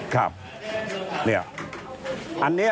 ครับอันนี้